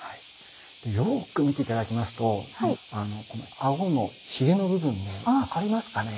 よく見て頂きますとこの顎のヒゲの部分分かりますかね？